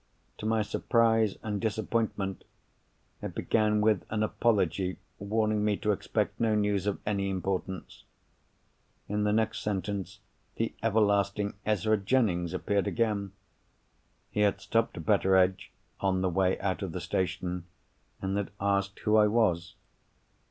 To my surprise and disappointment, it began with an apology warning me to expect no news of any importance. In the next sentence the everlasting Ezra Jennings appeared again! He had stopped Betteredge on the way out of the station, and had asked who I was.